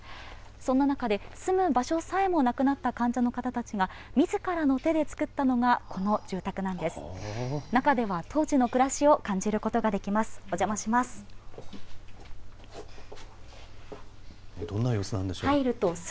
そんな中で、住む場所さえもなくなった患者の方たちが、みずからの手で作ったのが、この住宅なんです。